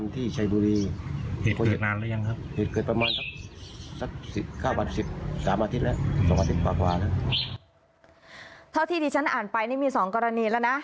เท่าที่ที่ฉันอ่านไปนี่มี๒กรณีแล้วนะ